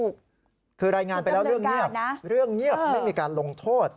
คือรายงานไปแล้วเรื่องเงียบไม่มีการลงโทษ